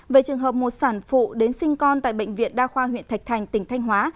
về trường hợp một sản phụ đến sinh con tại bệnh viện đa khoa huyện thạch thành tỉnh thanh hóa